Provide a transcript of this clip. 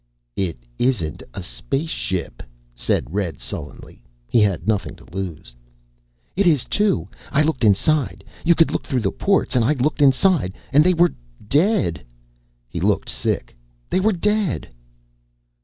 "It isn't a space ship," said Red, sullenly. He had nothing to lose. "It is, too. I looked inside. You could look through the ports and I looked inside and they were dead." He looked sick. "They were dead."